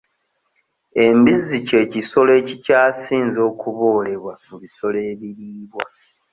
Embizzi ky'ekisolo ekikyasinze okuboolebwa mu bisolo ebiriibwa.